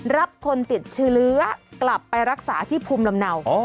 รับคนติดเชื้อกลับไปรักษาที่ภูมิลำเนา